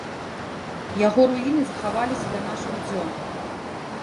Яго руіны захаваліся да нашых дзён.